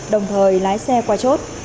đồng thời lái xe qua chốt